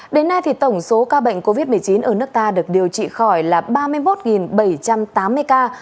đến nay thì tổng số ca bệnh covid một mươi chín ở nước ta được điều trị khỏi là ba mươi một bảy trăm tám mươi ca